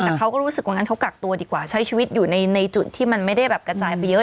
แต่เขาก็รู้สึกว่างั้นเขากักตัวดีกว่าใช้ชีวิตอยู่ในจุดที่มันไม่ได้แบบกระจายไปเยอะ